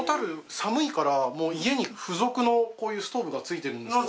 寒いからもう家に付属のこういうストーブがついてるんですか。